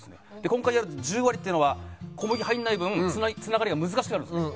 今回やる十割っていうのは小麦入んない分つながりが難しくなるんですね。